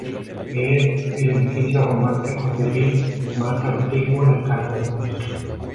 Es el edificio románico civil "más antiguo de Cataluña".